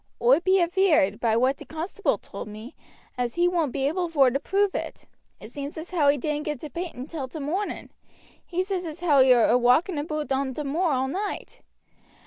"Oi be aveared, by what t' constable told me, as he won't be able vor to prove it. It seems as how he didn't get to Painton till t' morning. He says as how he were awalking aboot on t' moor all night.